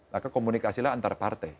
maka komunikasilah antar parte